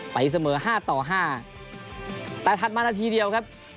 ไปเสมอ๕ต่อ๕แต่ถัดมานาทีเดียวครับ